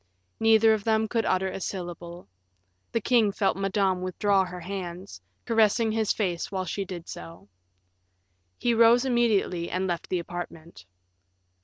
Neither of them could utter a syllable. The king felt Madame withdraw her hands, caressing his face while she did so. He rose immediately and left the apartment.